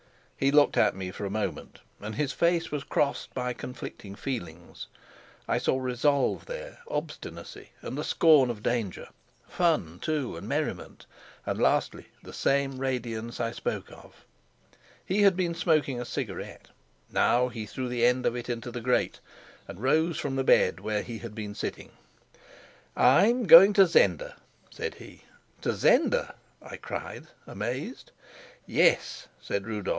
He looked at me for a moment, and his face was crossed by conflicting feelings. I saw resolve there, obstinacy, and the scorn of danger; fun, too, and merriment; and, lastly, the same radiance I spoke of. He had been smoking a cigarette; now he threw the end of it into the grate and rose from the bed where he had been sitting. "I'm going to Zenda," said he. "To Zenda!" I cried, amazed. "Yes," said Rudolf.